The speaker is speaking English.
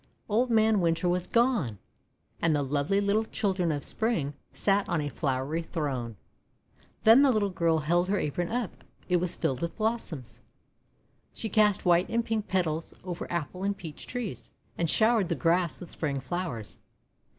Old Man Winter was gone! And the lovely little children of Spring sat on a flowery throne. Then the little girl held her apron up; it was filled with blossoms. She cast white and pink petals over Apple and Peach trees, and showered the grass with spring flowers.